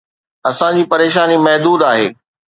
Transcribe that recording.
اسان جي پريشاني محدود آهي.